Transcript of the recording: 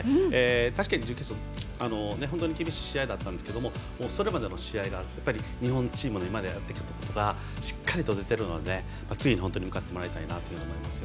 確かに準決勝は本当に厳しい試合だったんですけどそれまでの試合がやっぱり日本チームの今までやってきたことがしっかり出ているので次に向かってもらいたいと本当に思います。